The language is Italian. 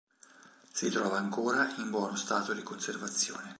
Si trova ancora in buono stato di conservazione.